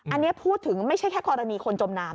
อันนี้พูดถึงไม่ใช่แค่กรณีคนจมน้ำ